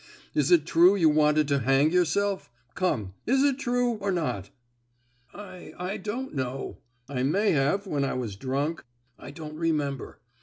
Is it true you wanted to hang yourself? Come, is it true, or not?" "I—I don't know—I may have when I was drunk—I don't remember.